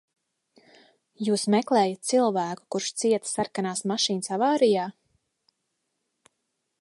Jūs meklējat cilvēku, kurš cieta sarkanās mašīnas avārijā?